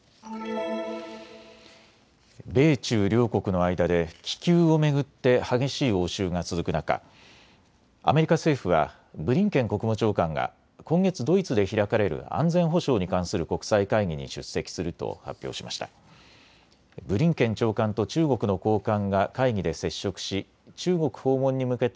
米中両国の間で気球を巡って激しい応酬が続く中、アメリカ政府はブリンケン国務長官が今月ドイツで開かれる安全保障に関する国際会議に出席すると発表しました。